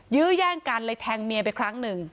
ยื้อแย่งกันเลยแทงเมียไปครั้งหนึ่ง